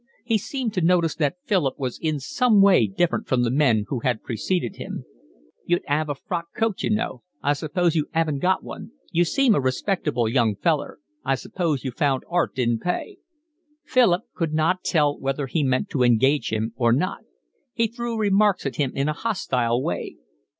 He seemed to notice that Philip was in some way different from the men who had preceded him. "You'd 'ave to get a frock coat, you know. I suppose you 'aven't got one. You seem a respectable young feller. I suppose you found art didn't pay." Philip could not tell whether he meant to engage him or not. He threw remarks at him in a hostile way.